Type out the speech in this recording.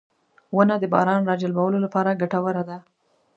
• ونه د باران راجلبولو لپاره ګټوره ده.